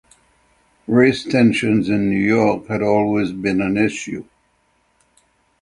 Race tensions in New York had always been an issue.